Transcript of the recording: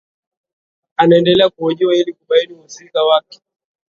anaendelea kuhojiwa ili kubaini uhusika wake